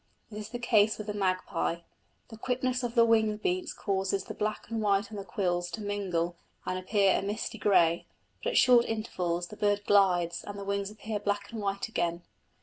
This is the case with the magpie; the quickness of the wing beats causes the black and white on the quills to mingle and appear a misty grey; but at short intervals the bird glides and the wings appear black and white again.